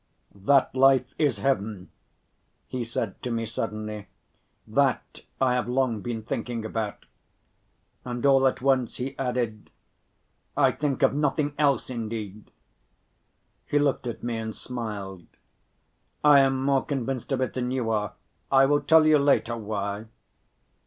"That life is heaven," he said to me suddenly, "that I have long been thinking about"; and all at once he added, "I think of nothing else indeed." He looked at me and smiled. "I am more convinced of it than you are, I will tell you later why."